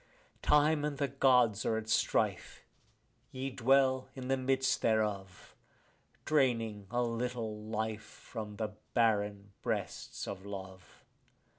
Time and the Gods are at strife; ye dwell in the midst thereof, Draining a little life from the barren breasts of love.